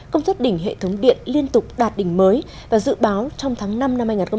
công suất đỉnh hệ thống điện liên tục đạt đỉnh mới và dự báo trong tháng năm năm hai nghìn hai mươi bốn